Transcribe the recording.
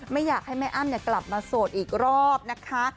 ไม่อยากให้แม่อ้ำกลับมาโสดอีกรอบนะคะ